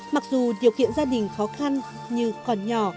mặc dù điều kiện gia đình khó khăn như còn nhỏ